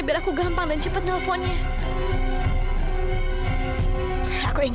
aku harus bisa lepas dari sini sebelum orang itu datang